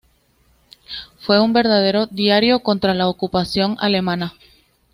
Fue un verdadero "diario" contra la ocupación alemana.